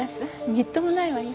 みっともないわよ。